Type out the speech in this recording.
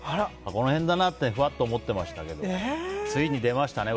この辺だなってふわっと思ってましたけどついに出ましたね。